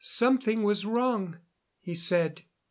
Something was wrong, he said.